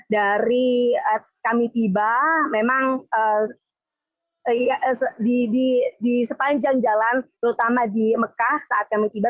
dari kami tiba memang di sepanjang jalan terutama di mekah saat kami tiba